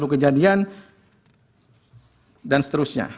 tiga puluh kejadian dan seterusnya